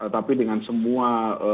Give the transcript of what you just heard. tapi dengan semua